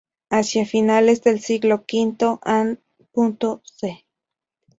Hacia finales del siglo V a.c.